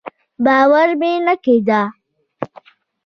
باور مې نه کېده.